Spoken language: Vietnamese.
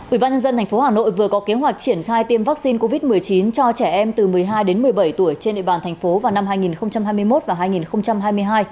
ubnd tp hà nội vừa có kế hoạch triển khai tiêm vaccine covid một mươi chín cho trẻ em từ một mươi hai một mươi bảy tuổi trên địa bàn thành phố vào năm hai nghìn hai mươi một hai nghìn hai mươi hai